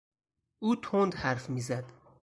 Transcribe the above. او تند حرف میزد.